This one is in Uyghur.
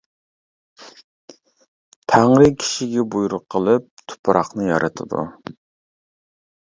تەڭرى كىشىگە بۇيرۇق قىلىپ تۇپراقنى يارىتىدۇ.